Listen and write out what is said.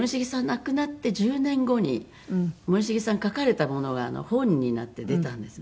亡くなって１０年後に森繁さんが書かれたものが本になって出たんですね。